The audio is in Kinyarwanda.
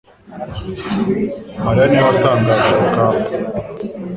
mariya niwe watangije urugamba